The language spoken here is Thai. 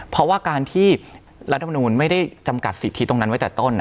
เพราะว่าการที่รัฐมนูลไม่ได้จำกัดสิทธิตรงนั้นไว้แต่ต้น